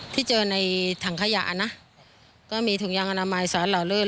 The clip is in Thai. ที่เจอในถังขยะนะก็มีถุงยางอนามัยสอนเหล่าเลิศ